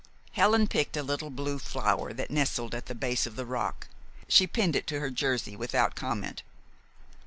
Helen picked a little blue flower that nestled at the base of the rock. She pinned it to her jersey without comment.